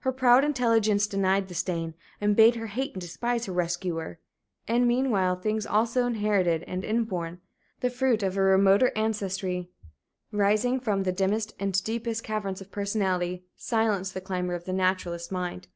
Her proud intelligence denied the stain, and bade her hate and despise her rescuer. And, meanwhile, things also inherited and inborn, the fruit of a remoter ancestry, rising from the dimmest and deepest caverns of personality, silenced the clamor of the naturalist mind.